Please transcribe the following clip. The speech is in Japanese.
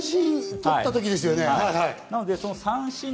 ２回三振とった時ですよね？